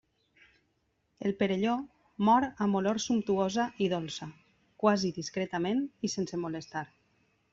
El perelló mor amb olor sumptuosa i dolça, quasi discretament i sense molestar.